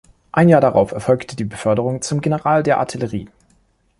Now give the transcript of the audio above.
Ein Jahr darauf erfolgte die Beförderung zum General der Artillerie.